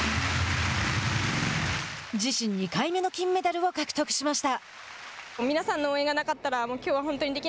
自身２回目の金メダルを獲得しました。